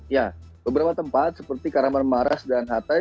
ya beberapa tempat seperti karaman maras dan hatay